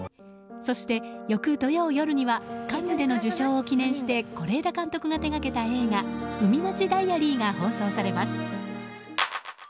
そして翌土曜夜にはカンヌでの受賞を記念して是枝監督が手掛けた映画「海街ｄｉａｒｙ」が放送されます。